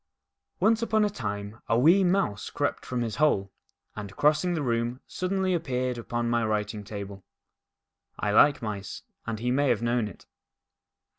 ONCE upon a time a wee Mouse crept from his hole, and, crossing the room, suddenly appeared upon my writing table. I like mice, and he may have known it.